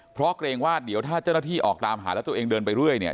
เพราะเกรงว่าเดี๋ยวถ้าเจ้าหน้าที่ออกตามหาแล้วตัวเองเดินไปเรื่อยเนี่ย